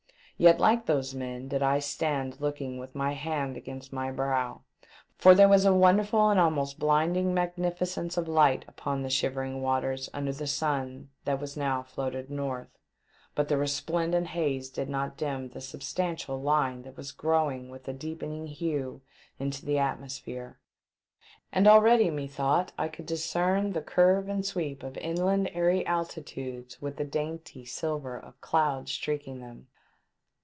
Yet, like those men, did I stand looking with my hand against my brow, for there was a wonderful and almost blinding magnificence of light upon the shiverino waters under the sun that was LAND. 453 now floated north, but the resplendent haze did not dim the substantial line that was growing with a deepening hue into the atmosphere, and already methought I could discern the curve and sweep of inland airy altitudes with the dainty silver of clouds streaking them.